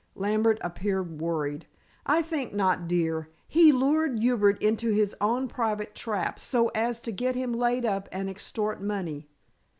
Lambert appeared worried. "I think not, dear. He lured Hubert into his own private trap so as to get him laid up and extort money.